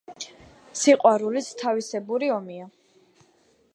სიყვარულიც თავისებური ომია